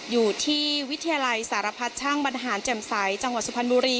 อยู่ที่วิทยาลัยสารพัชฯช่างบรรทานแจ่มไซด์จังหวัดสุพันธ์บุรี